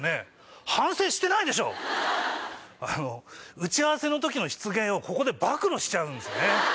打ち合わせの時の失言をここで暴露しちゃうんですね。